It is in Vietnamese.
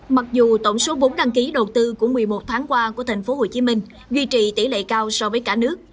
mặc dù tổng số vốn đăng ký đầu tư của một mươi một tháng qua của tp hcm duy trì tỷ lệ cao so với cả nước